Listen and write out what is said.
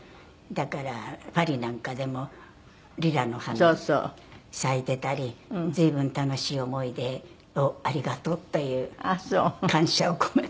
だからパリなんかでもリラの花が咲いてたり随分楽しい思い出をありがとうという感謝を込めて。